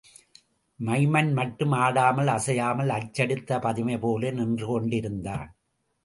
Maiman மட்டும் ஆடாமல் அசையாமல் அச்சடித்த பதுமைபோல நின்றுகொண்டிருந்தான்.